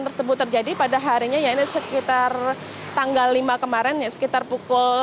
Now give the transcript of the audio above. tersebut terjadi pada harinya ia hanya sekitar tanggal lima kemarin sekitar pukul sembilan good morning